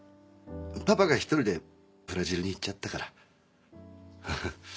パパが１人でブラジルに行っちゃったから。